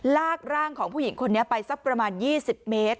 ลากร่างของผู้หญิงคนนี้ไปสักประมาณ๒๐เมตร